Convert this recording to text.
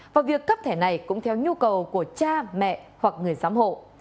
và việc cấp thẻ này cũng theo nhu cầu của cha mẹ hoặc người giám hộ